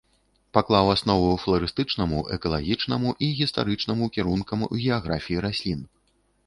Паклаў аснову фларыстычнаму, экалагічнаму і гістарычнаму кірункам у геаграфіі раслін.